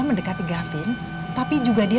mendekati gavin tapi juga dia